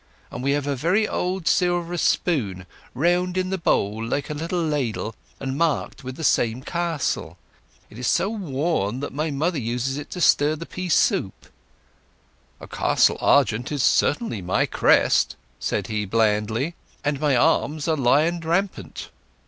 And we have a very old silver spoon, round in the bowl like a little ladle, and marked with the same castle. But it is so worn that mother uses it to stir the pea soup." "A castle argent is certainly my crest," said he blandly. "And my arms a lion rampant."